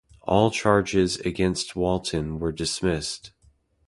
All charges against Walton were dismissed.